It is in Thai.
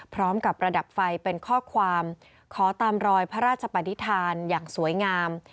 พร้อมกับประดับไฟเป็นข้อความขอตามรอยพระราชปนิษฐานอย่างสวยงาม